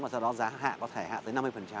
và sau đó giá hạ có thể hạ tới năm mươi